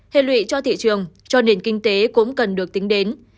hệ lụy cho thị trường cho nền kinh tế cũng cần được tính đến